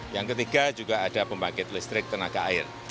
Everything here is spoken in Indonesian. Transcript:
yang ketiga juga ada pembangkit listrik tenaga air